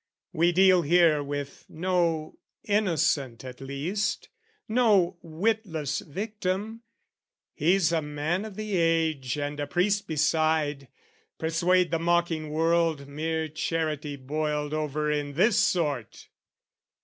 We deal here with no innocent at least, No witless victim, he's a man of the age And a priest beside, persuade the mocking world Mere charity boiled over in this sort!